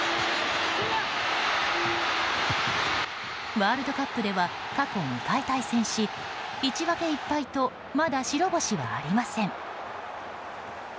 ワールドカップでは過去２回対戦し１分け１敗とまだ白星はありません。